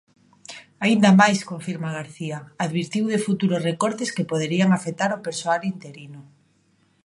Aínda máis, confirma García, advertiu de futuros recortes que poderían afectar o persoal interino.